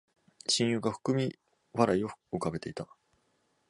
親友が含み笑いを浮かべていた